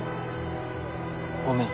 ごめん。